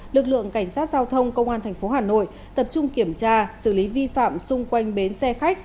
lực lượng cảnh sát giao thông công an tp hà nội tập trung kiểm tra xử lý vi phạm xung quanh bến xe khách